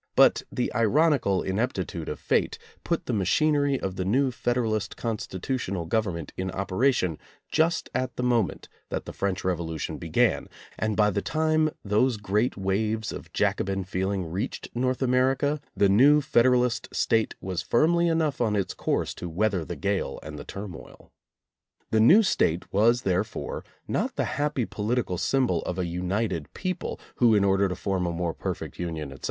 But the ironical ineptitude of Fate put the machinery of the new Federalist constitutional government in operation just at the moment that the French Revolution began, and by the time those great waves of Jacobin feeling reached North America, the new Federalist" State was firmly enough on its course to weather the gale and the turmoil. The new State was therefore not the happy po litical symbol of a united people, who in order to form a more perfect union, etc.